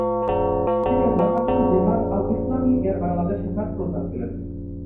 তিনি হরকাতুল-জিহাদ-আল-ইসলামী-এর বাংলাদেশ শাখার প্রধান ছিলেন।